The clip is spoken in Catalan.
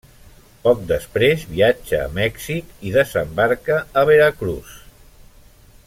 Poc després, viatja a Mèxic, i desembarca a Veracruz.